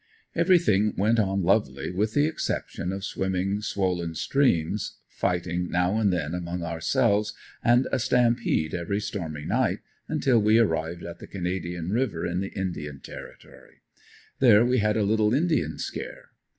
Everything went on lovely with the exception of swimming swollen streams, fighting now and then among ourselves and a stampede every stormy night, until we arrived on the Canadian river in the Indian territory; there we had a little indian scare.